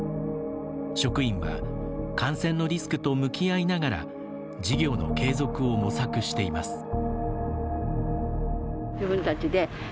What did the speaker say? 職員は感染のリスクと向き合いながら事業の継続を模索しています。